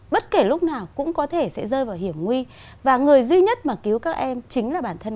bất kể lúc nào cũng có thể sẽ rơi vào hiểm nguy và người duy nhất mà cứu các em chính là bản thân